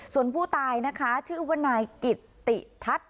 ส่วนผู้ตายนะคะชื่อว่านายกิตติทัศน์